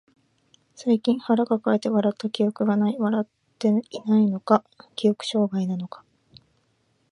最近腹抱えて笑った記憶がない。笑っていないのか、記憶障害なのか。